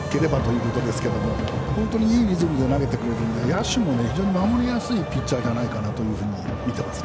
ランナーを出さなければということですが本当にいいリズムで投げてくれるんで野手も守りやすいピッチャーじゃないかなと思います。